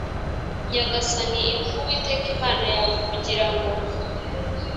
nyagasani ibuka Uwiteka Imana yawe kugira ngo